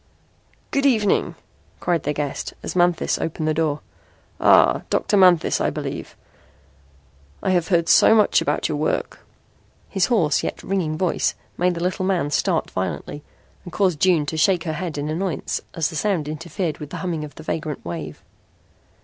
"Good evening," cried their guest as Manthis opened the door. "Ah, Dr. Manthis, I believe. I have heard so much about your work." His hoarse yet ringing voice made the little man start violently and caused June to shake her head in annoyance as the sound interfered with the humming of the vagrant wave.